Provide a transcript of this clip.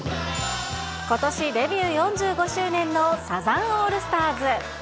ことしデビュー４５周年のサザンオールスターズ。